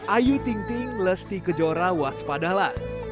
ayu ting ting lesti kejora waspadalah